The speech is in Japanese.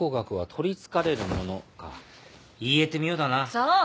そう？